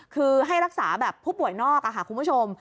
คือให้รักษาแบบผู้ป่วยนอกค่ะคุณผู้ชม